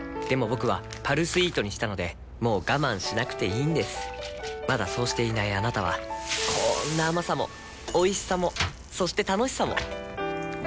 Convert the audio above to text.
僕は「パルスイート」にしたのでもう我慢しなくていいんですまだそうしていないあなたはこんな甘さもおいしさもそして楽しさもあちっ。